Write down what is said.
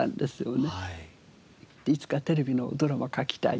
いつかテレビのドラマを書きたい。